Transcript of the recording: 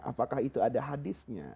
apakah itu ada hadisnya